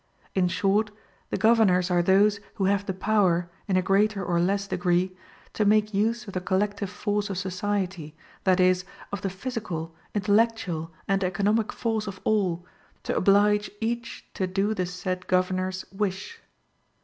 In short, the governors are those who have the power, in a greater or less degree, to make use of the collective force of society, that is, of the physical, intellectual, and economic force of all, to oblige each to do the said governor's wish.